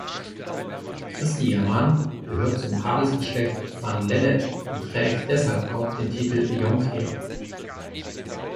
Christiaan gehört zum Adelsgeschlecht Van Lennep und trägt deshalb auch den Titel Jonkheer.